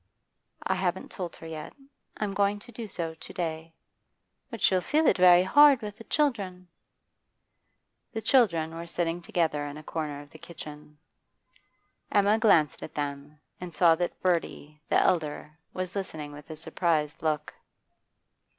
'I haven't told her yet; I'm going to do so to day.' 'But she'll feel it very hard with the children.' The children were sitting together in a corner of the kitchen. Emma glanced at them, and saw that Bertie, the elder, was listening with a surprised look.